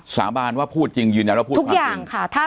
สาบานว่าพูดจริงยืนยันแล้วพูดความจริงทุกอย่างค่ะถ้า